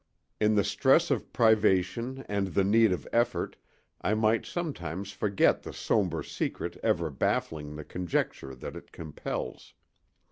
In the stress of privation and the need of effort I might sometimes forget the somber secret ever baffling the conjecture that it compels.